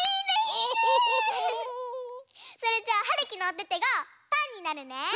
それじゃあはるきのおててがパンになるね！